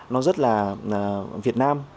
nó rất là việt nam